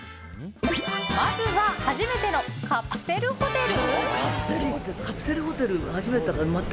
まずは初めてのカプセルホテル。